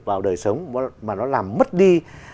vào đời sống mà nó làm mất đi